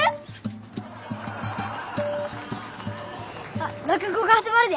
・あっ落語が始まるで。